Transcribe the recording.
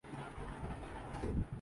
جدا تھے ہم تو میسر تھیں قربتیں کتنی